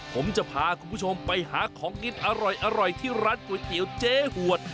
ผมจะพาคุณผู้ชมไปหาของกินอร่อยที่ร้านก๋วยเตี๋ยวเจ๊หวด